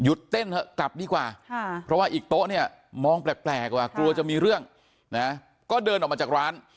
หยุดเต้นกับดีกว่าเพราะว่าอิจโต๊ะเนี่ยมองแปลกกลัวจะมีเรื่องแล้วก็เดินออกมาจากร้าน